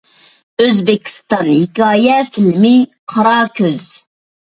ئۆزبېكىستان ھېكايە فىلىمى: «قارا كۆز» .